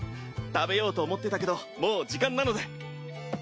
食べようと思ってたけどもう時間なので。